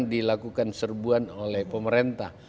dilakukan serbuan oleh pemerintah